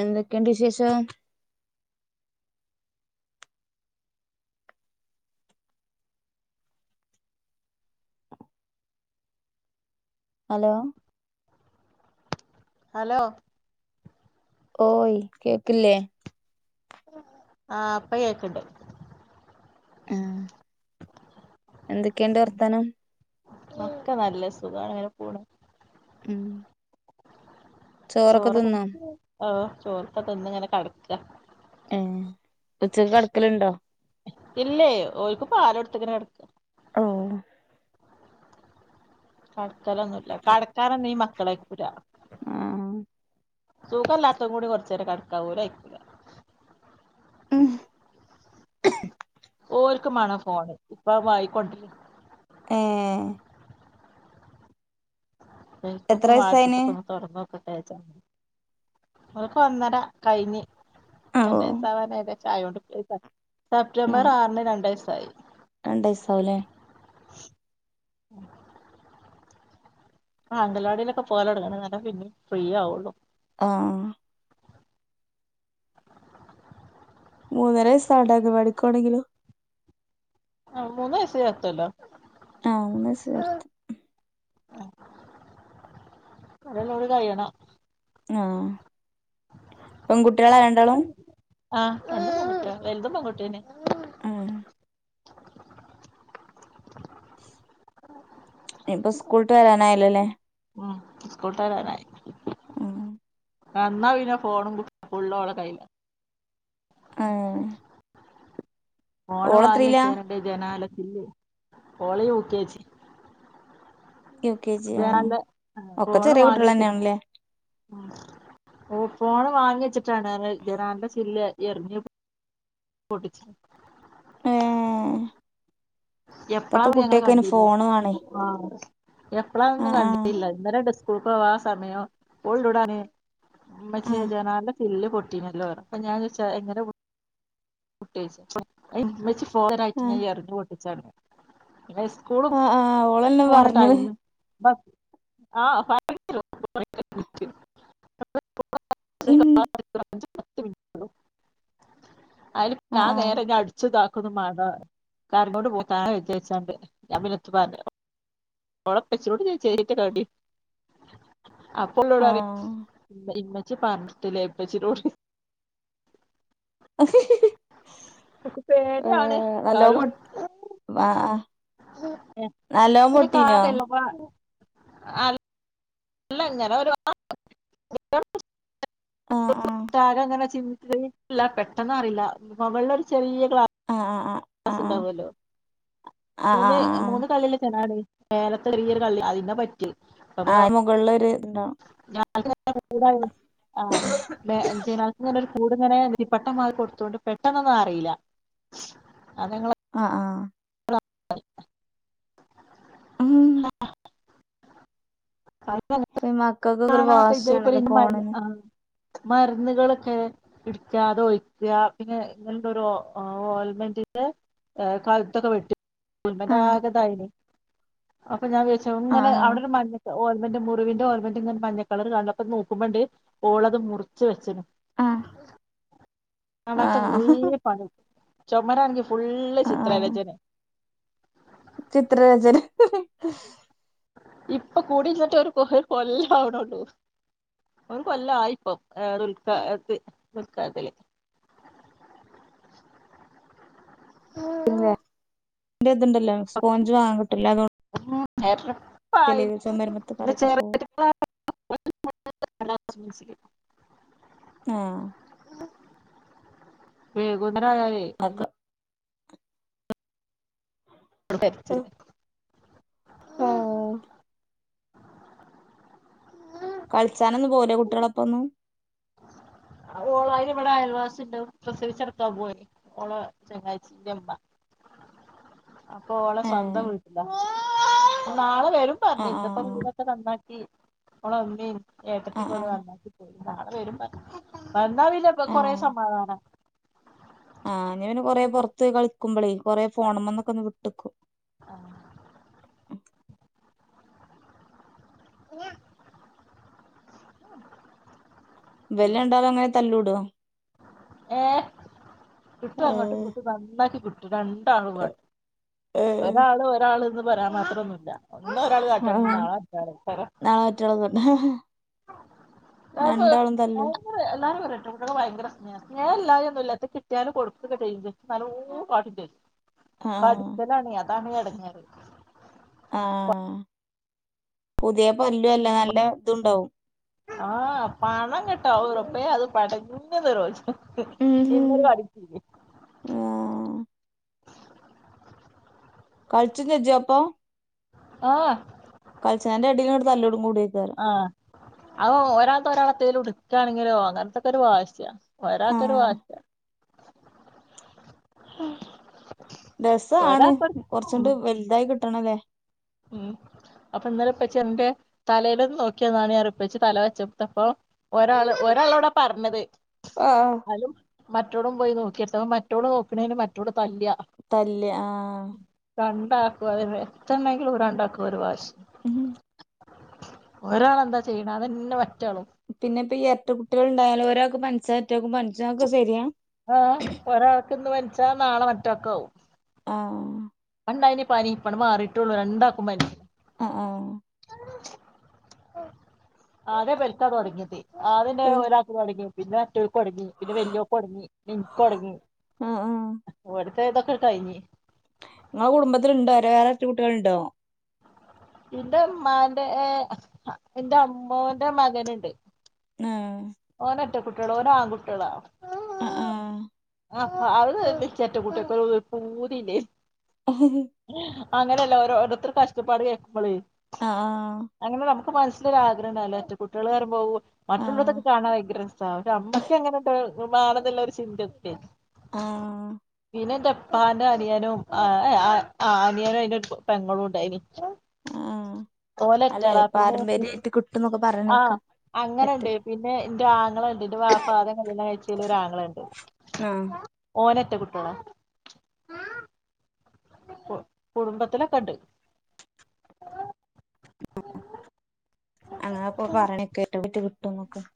എന്തൊക്കെ ഇണ്ട് വിശേഷം ഹലോ ഹലോ ഓയി കേക്ക്ല്ലെ ആ ഇപ്പ കേക്ക്ണ്ട് എന്തെക്കെ ഇണ്ട് വർത്താനം ഒക്കെ നല്ല സുഖാണ് ഇങ്ങനെ പോണ് ഉം ചോറൊക്കെ ആ ചോർപ്പ തിന്ന് ഇങ്ങനെ കട്ക്കാ ഏ ഉച്ചക്ക് കടക്കലുണ്ടോ ഇല്ലെയ് ഓൽക്ക് പാൽ കൊട്ത്ത് ഇങ്ങനെ കയ്‌ക്കാ ഓ കട്ക്കലൊന്നും ഇല്ല കട്ക്കാനൊന്നും ഈ മക്കൾ അയ്ക്കൂലാ ആ സുഖല്ലാത്തെയ് കൂടി കെർച്ചേരം കട്ക്കാൻ ഓൽ അയക്കുലാ ഉം ഓൽക്കും മാണം ഫോണ് ഇപ്പ അയ് വാങ്ങിക്കൊണ്ടരാ ഏ എത്ര ഫേസ്ബുക്കും വാട്സ്അപ്പും വയസായിന് ഒക്കെ ഒന്ന് തൊർന്നോ നിനക്ക് ഒന്നര കഴിഞ്ഞ് ഓ അല്ലെ [unintelligible] ചായ കൊണ്ട് പ്ലേ ആ, സെപ്റ്റംബർ ആറിന് രണ്ട് വയസ് സായി രണ്ട് വയസാവല്ലേ [unintelligible] ആ അംഗനവാടിയിലൊക്കെ പോയലടങ്ങല്ല പിന്നെ ഫ്രീ ആവുള്ളൂ ആ മൂന്നര വയിസാണ്ടേ അംഗൻവാടി ക്ക് പോവാണെങ്കിലും ആഹ മൂന്ന് വയസ്സ ഇരുത്തല്ലോ ആ മൂന്നു വയസ്സ്ചേർത്ത് ഒരു കൊല്ലം കൂടി കഴിയണം ആഹ് പെൺകുട്ടികളാരണ്ടാളും രണ്ടും പെൺകുട്ടി തന്നെ ഇപ്പൊ സ്കൂളട്ട് വരാനായില്ലല്ലേ സ്കൂൾവിട്ട് വരാനായി ആ എന്നാ പിന്നെ ഫോണും ഫുള്ള ഓള കയ്ല്ല ആഹ ഫോൺ വാങ്ങിയച്ചേന ജനാല ഓള് യുകെജി യു കെ ജി ആ ല്ല ഒക്കെ ഫോൺ ണ് ചെറിയ കുട്ടികൾ വാങ്ങിയിട്ട് തന്നെയാണല്ലേ ഓ ഫോൺ വാങ്ങി വച്ചിട്ടാണ് ജനാന്റെ ചില്ല് എറിഞ്ഞ് പൊട്ടിച്ച ഏ എപ്പളാ ഞങ്ങള് കണ്ടില്ല വാണേ ആ എപ്പളാന്നും ആഹ് ആഹ് കണ്ടിട്ടല്ല ഇന്നലെ ഡിസ്പ്ല കുക്ക ആ സമയം ആഹ് ഉൾടാനച്ചേജനാല ചില്ല് പൊട്ടീനല്ലോ അപ്പ ഞാൻ ചച്ചാ എങ്ങനെ കുട്ട ഫോണിനായിട്ട് ഞാൻ എറിഞ്ഞുപൊട്ടിച്ചാണ് അ സ്കൂള ആഹ് ആഹ് ആഹ് ഓളെന്നെ പോണ പറഞ്ഞ്ണ് ടൈമ് ബസ് ആഹ് ഉം പത്തു മിനിറ്റ് അയില് പ്പൊ ആഹ് ഞാൻ നേരെ ന്നെ അടിച്ച് താ ക്കൊന്നും മാണ്ട കരഞ്ഞോണ്ട് പോവും ചായ കയ്ച്ച ജാരിച്ചാണ്ട്. ഞാൻ പിന്നെ ഒന്നും പറഞ്ഞില്ല ഓളെ പ്പച്ചിനോട് ചോയ്ച്ചായിരിയ്ക്കണേ മാണ്ടി അപ്പൊ ഓളിന്നോട് ആഹ് പറയാ ആഹ് ഇമ്മ ജ് പറഞ്ഞിട്ടില്ലേ പ്പച്ചിനോട് [unintelligible] ഓക്ക് പേടിയാണ് ഏഹ് നല്ലോം ന്നാലും പൊ ആഹ് ആഹ് നല്ലോം ഒരു പൊട്ടീനോ കാതല്ലോപ്പ [unintelligible] ആ എല്ലങ്ങനെ ഒരു [unintelligible] ആഹ് ആഹ് [unintelligible] ല്ല പെട്ടെന്ന് അറിയില്ല മുകളില ഒരു ചെറിയ ഒരു ആ ആ സ് ണ്ടാവല്ലോ. ആഹ് ആഹ് മൂന്ന് ആഹ് ആഹ് മൂന്നു കള്ളില്ലെ ജനാല മേലെ ചെറിയൊരു കള്ളി അതിനാ പറ്റിയ് ആ മുകളിലൊര് ഇതുണ്ടാകും [unintelligible] [unintelligible] കൂടുങ്ങനെ നെറ്റിപ്പട്ടം മാതിരി കൊടുത്തൊണ്ട് പെട്ടെന്നൊന്നും അറിയില്ല അത് ഞങ്ങള് അ ആ [unintelligible] ഉം ഉം പ്പം ഈ മക്കക്കൊക്കെ ഒരു കാണാത്ത ഇതിപ്പോ വാശിയാണല്ലോ ഇന്ന് മരുന്ന് ഫോണിന് ആ മരുന്നുകളൊക്കെ ഇടിക്കാ അത് ഒഴിക്ക പിന്നെ ങ്ങനെ ഓൽമെന്റിന്റെ കഴുത്തൊക്കെ വെട്ടി - ആഹ് ഓൽമന്റാകെ ഇതായിണ് അ അപ്പൊ ഞാൻ വിചാരിച്ച ങ്ങനെ ആഹ് അവിടൊരു മഞ്ഞ ഓല്മന്റ് മു മുറിവിന്റെ ഓല്മന്റ് ഇങ്ങനെ മഞ്ഞക്കളർ കണ്ടപ്പൊ നോക്കുമ്പോ ണ്ട് ഓളത് മുറിച്ച് വെച്ച്ണ് ആഹ് കാണാത്ത കുറേ ആഹ് പണി ചൊമരാണെങ്കി ഫുള്ള് ആഹ് ചിത്രരചന ചിത്രരചന [unintelligible] ഇപ്പൊ കൂടിരിന്ന്ട്ട് ഒരു കൊല്ലം ആവ്ണൊള്ളൂ. ഒരു കൊല്ലയിപ്പം ഏ ദുൽഖഅത് ദുൽഖഅതിൽ. [inaudible] പിന്നെ ത്ണ്ടല്ലോ സ്പോഞ്ച് വാങ്ങാൻ കിട്ടല്ലോ അതോ [unintelligible] ചെളിയ ചൊമര്മത്തെ പിന്നെ കറൊക്കെ പോവും ചെറിയ [unintelligible] ആഹ് വേഗോ രായാലേ ഒന്നും അതൊക്കെ [unintelligible] പോം കളിച്ചാനൊന്നും പോവൂലേ കുട്ട്യാളൊപ്പൊന്നും ഓളായിന് വടെ അയൽവാസിണ്ട് പ്രസവിച്ചിടക്കാൻ പോയി ഓളെ ചെങ്ങായ്ച്ചിന്റെമ്മ അപ്പൊ ഓളെ ഏഹ് സ്വന്തം വീട്ടിലാ നാളെ വെരും പറഞ്ഞു ആഹ് ഇന്ന്പ്പോ ആഹ് വീടൊക്കെ നന്നാക്കി തീ ഓളമമീം ഏട്ടതീം ആഹ് ഒക്കെ ആഹ് നന്നാക്കി പോയി നാളെ വെരും [unintelligible] വന്നാ പിന്നെ ബക് ആഹ് കൊറേ ആഹ് സമാദാനം ആഹ് ഞ്ഞി പിന്നെ കൊറേ പൊറത്ത് പോയി കളിക്കുമ്പോളേയ് കൊറേ ഫോണ് മ്മന്നൊക്കെ ഒന്ന് വിട്ട്ക്കും ആഹ് ബല് രണ്ടാലും അങ്ങനെ തല്ലൂടോ ഏ കിട്ടും അങ്ങട്ടും ഏഹ് ഇങ്ങട്ടും നന്നാക്കി കിട്ടും രണ്ടാളും കാട്ടും ഏഹ് ഒരാള് ഒരാള്ന്ന് പറേൻ മാത്രന്നൂല ഇന്ന് ഒരാള് കാട്ടാണെങ്കി ആഹ് നാളെമാറ്റാളേകാരം നാളെ മറ്റോളൊക്കെ ഉണ്ട് കാക്കു രണ്ടാളും തല്ലും [unintelligible] ഇത്ങ്ങള് ഭയങ്കര സ്നേഹ. സ്നേഹ ഇല്ലാതൊന്നും ഇല്ല. ഇത് കിട്ടിയാല് കൊടുക്കക്കെ ചെ യ്യും പക്ഷെ നല്ലോ കാട്ടും ചെയ്യും ആഹ് കടിക്കലാണ് ഞാൻ അതാണ് എടങ്ങേറ് ആഹ് പുതിയ പല്ലും അല്ലെ നല്ല ഇതുണ്ടാവും ആഹ് പണം കെട്ടോ ഓ റബ്ബേഅത് പടഞ്ഞ് നിലോളിച്ചും ഉം ഇന്നൊരു ആഹ് [unintelligible] കളിച്ചനിജോ അപ്പൊ ആ കളിച്ചെന്റെ ഇടയില് തല്ലു കൂടും മുടി ക്കേറ അ ഒരാൾത്ത ഒരാളത്തേൽ ഉടുക്കുകയാണെങ്കിലോ അങ്ങനത്തൊക്കെ ഒരു വാശിയ ഒരാക്കൊരു ആഹ് [unintelligible] ഉം രസാണ് കുറച്ചുകണ്ട് വലുതായി കി കിട്ടണതേ ഉം അപ്പൊ ഇന്നലെ ഉപ്പച്ചി എന്റെ തലേടുന്ന് നോക്കിയതാണ് ഞാൻപ്പച്ചി തല വെച്ച് കൊടുത്തപ്പം ഒരാള് ഒരാളോട പറഞ്ഞത് അലും മറ്റൊടും പോയി നോക്കി കേട്ടോ മറ്റോള് നോക്കണേന് മറ്റോട് തല്ലുകാ തല്ല് ആഹ് [unintelligible] അതല്ലേ [unintelligible] രണ്ടാക്കും ഒരു വാശി ഉം ഒരാളെന്താ ചെയ്യണെ അതന്നെ മ പിന്നെ ഇപ്പ ഈ അറ്റ കുട്ടികൾഉണ്ടായാലും ഒരാക്ക് പൻസാ ആഹ് ഒരാൾക്ക് ഒക്കെ വലിച്ച് ച്ചാ നാളെ മറ്റാക്ക് ആവും ആ ഉം ഉണ്ടായിനി പനി ഇപ്പം മാറിയിട്ടുള്ളൂ രണ്ടാക്കും പനി ആ ആകെ പെൽത്താ തുടങ്ങിയത് അതിന്റെ ഉം ഒരാക്ക് കളിക്കും പിന്നെ മറ്റേവൾ കൊടുങ്ങി പിന്നെ വല്യവക്ക് കൊടങ്ങി എനിക്കൊടങ്ങി ആഹ് ഏതൊക്കെ കഴിഞ്ഞ് നിങ്ങളെ കുടുംബത്തിലുണ്ടോ [unintelligible] രണ്ട് കുട്ടികളുണ്ടോ എന്റുമ്മാന്റെ എന്റെ അമ്മോടെ മകനുണ്ട് ആഹ് ഓന് ഒറ്റ കുട്ടികള് ഓന് ആൺകുട്ടികളാ ആ ആഹ് ആ അ വിറ്റ [unintelligible] പൂതിയില്ലേ [inaudible] അങ്ങനെയല്ല ഓരോടത്തരു കഷ്ടപ്പാട് കേൾക്കുമ്പോള് ആഹ മനസ്സിലൊരു ആഗ്രഹം ഇണ്ടാവുല്ലെ എരട്ടകുട്ടിളേ ന്ന്‌ പറീംമ്പോ ആഹ് മറ്റുള്ളവടത്തൊക്കെ കാണാൻ ഭയങ്കര രസാ ഒരു അമ്മക്കെങ്ങനെ [unintelligible] മാണന്നൊല്ല ഒരു ചിന്ത [inaudible] ആ പിന്നെഇന്റെപ്പാന്റെ അനിയനും അനിയനും അതിന്റെ ഒരു പെങ്ങളും ഉണ്ടായിനി ആഹ ഓല്റ്റാള പിന്നെ കിട്ടുന്നൊക്കെ ആഹ പറയണേക്കാ എരട്ട അങ്ങനെണ്ട് പിന്നെ എന്റെ ആങ്ങളുണ്ട് എന്റെ വാപ്പ ആദ്യം കല്യാണം കഴിച്ചൽ ഒരാങ്ങളുണ്ട് ആഹ് ഓന രട്ടെ കുട്ടിയാള കു കുടുംബത്തിലൊക്കെ ഉണ്ട് അങ്ങപ്പൊ പറഞ്ഞ കേ കേട്ടട്ട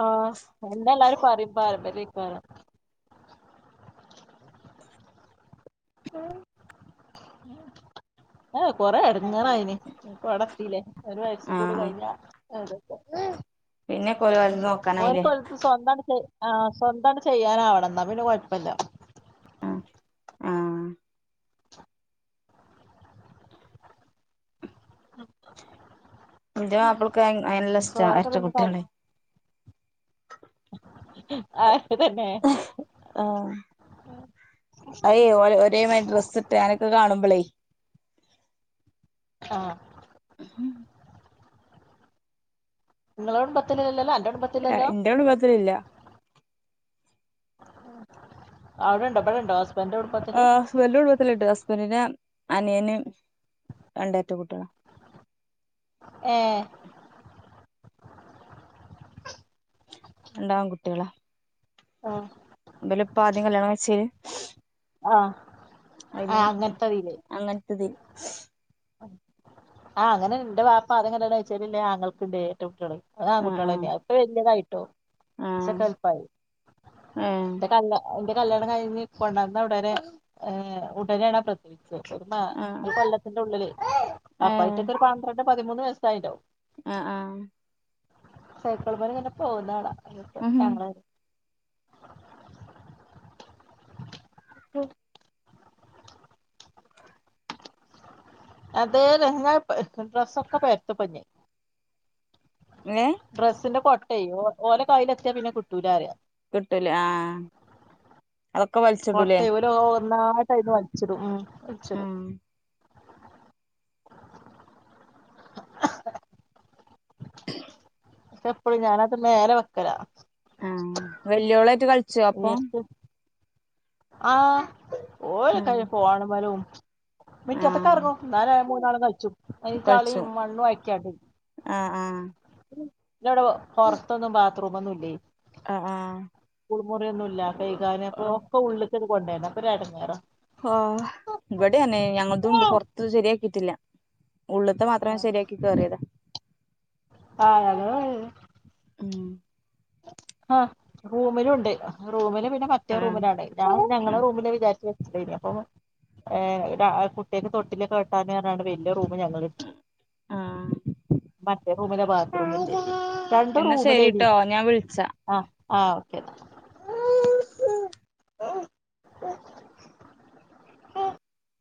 ആ എന്താ എല്ലാരും പറയും പാരമ്പര്യ [unintelligible] ആഹ കൊറെ എടങ്ങാറായിന്പ്പാ അവിടെ എത്തില്ലേ ഒരുവയസ്സും കൂടി കഴിഞ്ഞ അതെക്കെന്നേണ് പിന്നെക്കെ ഓലത് ഓല് നോക്കാനായില്ലേ ആ സ്വന്തണ്ട് ചെയ്യാന ആവണം എന്നാ പിന്നെ കുഴപ്പല്ല അ ആ [inaudible] ഇന്റെ മാപ്പളക്ക് അയനെല്ലഷ്ട്ട ചോറൊക്കെ എരട്ട തിന്ന് കള കുട്ടികളെ ആഹ് തന്നെ ആ അയ ഒരേ മാതിരിഡ്രെസ്സ് ഇട്ട് അങ്ങനെക്കെ കാണുമ്പളേ ആഹ് ഞങ്ങളെ കുടുംബത്തിലെ [unintelligible] ഇന്റെ കുടുംബത്തിൽ ഇല്ല അവിടെണ്ടോ ബടണ്ടോ ആ ഇവലെ കുടുംബത്തില് ഇണ്ട് ഹസ്ബന്റിനെ അനിയന് രണ്ട് എരട്ട കുട്ടികളാ ഏ രണ്ടു ആൺ കുട്ടികളാ ആ ഇബലെ ഇപ്പ ആദ്യം കല്യാണം കഴിചീല് ആ അയില് അങ്ങനത്തതില് ഹ [inaudible] ആഹ് അങ്ങനെണ്ട്ന്റെ ബാപ്പാ ആദ്യംകല്യണം കഴിചേലുള്ള ആ ങ്ങൾക്കുണ്ട് ഏരട്ടകുട്ടികള് അത് ആ ആൺട്ടികളന്നായാ ഇപ്പൊ വലിയതായി ട്ടോ ആ സ്റ്റക്കായി പായി ആ ഏ എന്നിട്ട് അല്ല കല്യാണം കഴിഞ്ഞ് കൊണ്ടന്ന ഉടനെ ഏ ഉടനെണ് പ്രത്യേക ആ കൊള്ളത്തി [unintelligible] ഉള്ളിൽ അപ്പായിട്ടൊരു ഒരു പാത്രം പതിമൂന്ന് വയസ്സായിണ്ടാവും ആഹ ആഹ സൈക്കൾമല് ഇങ്ങനെ പോകുന്നതുകാണാം [unintelligible] [unintelligible] അത ങ്ങ ഡ്രെസ്സൊക്കെ പരത്ത്പ ഏ [inaudible] ഡ്രസ്സിന്റെ കൊ ഓ ഓല കയ്ലെത്തിയാ പിന്നെ കിട്ടൂലറിയ കിട്ടൽ ആഹ കോട്ട ഓൽ ഒന്നായിട്ടായിന്ന് വലിച്ചിടും ഉം വലിച്ചിടും ആ എപ്പഴും ഞാനത് നേരെ വെക്കല ആഹ വല്ലിയോള കളിച്ചോ ഒപ്പം ആ ഉം ഓലൊക്കെ ഫോണെമലും ആഹ് മിറ്റത്ത്ക്കറങ്ങും എന്നാൽ മൂന്നാളും കളിച്ചും അയിന്ചളി കളിച്ചു മണ്ണ് ആക്കിയാണ്ട് ആഹ് ആഹ് പിന്നവിടെ പുറത്തൊന്നും ബാത്റൂം ഒന്നുഇല്ലേ ആഹ് സ്കൂൾ മുറിയൊന്നുയില്ല കൈ കാൻ ആഹ് അപ്പോ ഉള്ളത് യിത് പോണ്ടേ അപ്പൊ ഒരു എടങ്ങേറാണ് ആഹ് ഇവിടെയന്നെ ഞങ്ങളതുണ്ട് പൊറത്ത് ശരിയാക്കിട്ടില്ല ആഹ ആ അതോ ഉം ആഹ റൂമിലുണ്ട് റൂമിൽ പിന്നെ മറ്റേ ആഹ് റൂമിലാണ് ഞൻ ഞങ്ങള റൂമില് വിചാരിച്ച വെച്ചദയിനി അപ്പം ഏ ടാ കുട്ടിയക്ക് തൊട്ടിലൊക്കെ കെട്ടാൻ ആണ്ട് വലിയ റൂ ഞങ്ങൾ എടുത്തു ആഹ് മറ്റേ റൂമിലാ ബാത്രറൂം ഉള്ള എന്നെ ശരിട്ടോ ഞാൻ വിളിച്ചാ ആ ആ ഓക്കെ എന്നാ [inaudible]